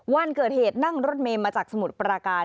วันเกิดเหตุนั่งรถเมย์มาจากสมุทรปราการ